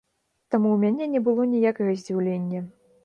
Таму ў мяне не было ніякага здзіўлення.